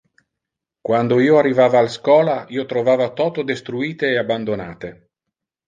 Quando io arrivava al schola, io trovava toto destruite e abandonate.